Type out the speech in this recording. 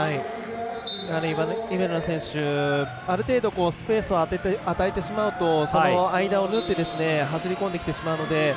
イベルナ選手、ある程度スペースを与えてしまうとその間を縫って走りこんできてしまうので。